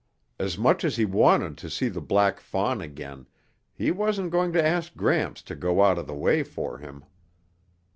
As much as he wanted to see the black fawn again, he wasn't going to ask Gramps to go out of the way for him.